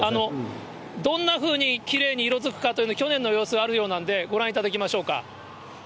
どんなふうにきれいに色づくかというのが、去年の様子があるようなので、ご覧いただきましょうか。